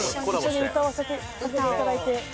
一緒に歌わせていただいて。